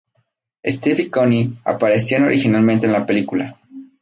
Steven y Connie aparecían originalmente en la película.